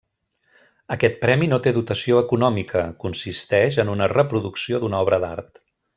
Aquest premi no té dotació econòmica, consisteix en una reproducció d'una obra d'art.